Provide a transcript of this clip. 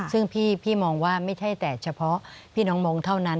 ซึ่งพี่มองว่าไม่ใช่แต่เฉพาะพี่น้องมงค์เท่านั้น